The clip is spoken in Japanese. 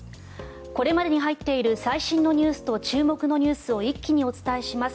これまでに入っている最新ニュースと注目ニュースを一気にお伝えします。